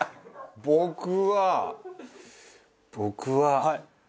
僕は僕は。